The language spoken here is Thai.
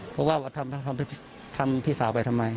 เพราะว่าทำพี่สาวไปทำไม